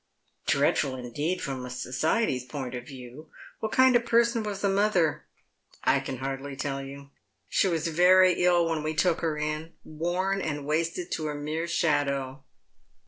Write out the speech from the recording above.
" Dreadful indeed from society's point of view. What kind of person was the mother ?"" I can hardly tell you. She was very ill when we took her in — worn and wasted to a mere shadow.